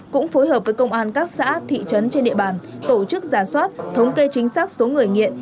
cũng phối hợp với công an các xã thị trấn trên địa bàn tổ chức giả soát thống kê chính xác số người nghiện